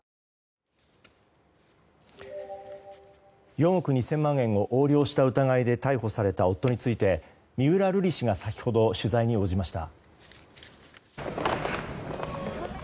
４億２０００万円を横領した疑いで逮捕された夫について三浦瑠麗氏が先ほど取材に応じました。